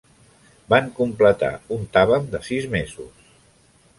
Van completar un Tavam de sis mesos.